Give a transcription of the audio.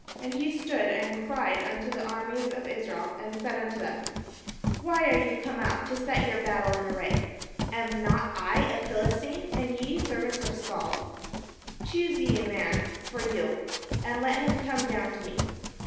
And he stood and cried unto the armies of Israel, and said unto them: "Why are ye come out to set your battle in array? am not I a Philistine, and ye servants to Saul? choose you a man for you, and let him come down to me.